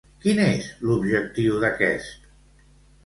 Quin és l'objectiu d'aquest?